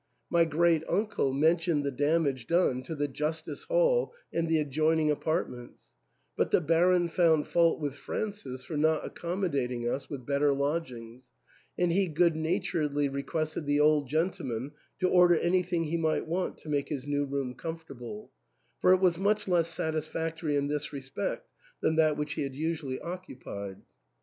My great uncle mentioned the damage done to the justice hall and the adjoining apartments ; but the Baron found fault with Francis for not accommodating us with better lodgings, and he good naturedly re quested the old gentleman to order anything he might want to make his new room comfortable ; for it was much less satisfactory in this respect than that which he had usually occupied.